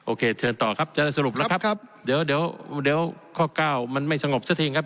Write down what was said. โอเคเชิญต่อครับจะได้สรุปแล้วครับเดี๋ยวเดี๋ยวข้อเก้ามันไม่สงบสักทีครับ